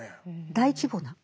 大規模な。